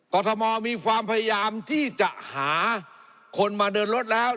กรทมมีความพยายามที่จะหาคนมาเดินรถแล้ว